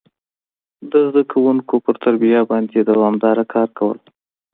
د زده کوونکو پر تربيه باندي دوامداره کار کول،